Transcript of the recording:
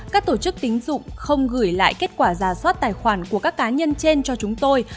các tổ chức tín dụng không gửi lại kết quả giả soát tài khoản của các cá nhân trên cho chúng tôi